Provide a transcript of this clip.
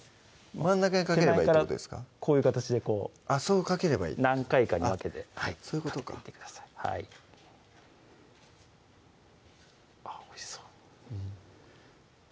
真ん中にかければ手前からこういう形でこうあっそうかければいい何回かに分けてそういうことかあっおいしそう